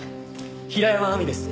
平山亜美です！